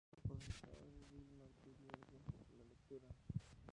Impulsada por su padre, Dilma adquirió el gusto por la lectura.